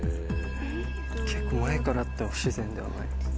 結構前からあっても不自然ではない。